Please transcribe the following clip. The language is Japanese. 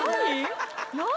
何？